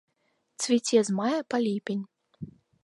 Цвіце з мая па ліпень.